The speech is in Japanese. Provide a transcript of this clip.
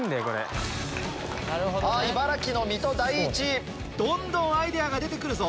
茨城の水戸第一どんどんアイデアが出て来るぞ。